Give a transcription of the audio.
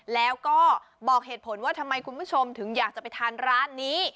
แล้วก็บอกเหตุผลว่าทำไมคุณผู้ชมถึงอยากจะไปทานร้านนี้